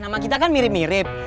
nama kita kan mirip mirip